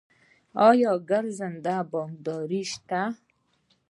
آیا ګرځنده بانکداري شته؟